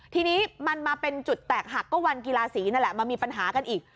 ทีนี้มันมาเป็นจุดแตกหักก็วันกีฬาสีนั่นแหละมามีปัญหากันอีก